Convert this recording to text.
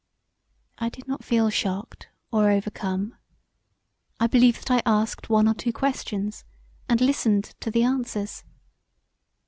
I did not feel shocked or overcome: I believe that I asked one or two questions and listened to the answers.